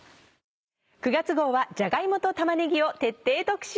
９月号はじゃが芋と玉ねぎを徹底特集。